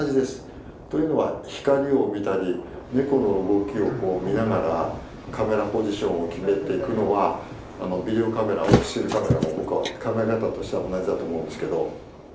というのは光を見たりネコの動きを見ながらカメラポジションを決めていくのはビデオカメラもスチールカメラも僕は考え方としては同じだと思うんですけど。